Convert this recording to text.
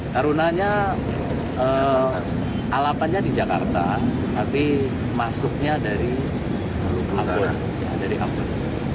tarunanya alapannya di jakarta tapi masuknya dari kampung